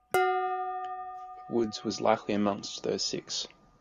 Woods was likely amongst those six.